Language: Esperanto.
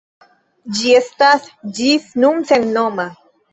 Ĝi estas ĝis nun sennoma.